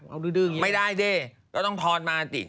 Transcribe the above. เอาดื้อดื้ออย่างนี้ไม่ได้สิก็ต้องทอนมาสิ